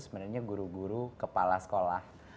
sebenarnya guru guru kepala sekolah